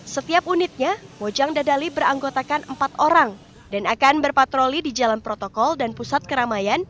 setiap unitnya mojang dadali beranggotakan empat orang dan akan berpatroli di jalan protokol dan pusat keramaian